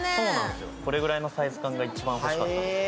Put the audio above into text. これぐらいのサイズ感が一番欲しかった。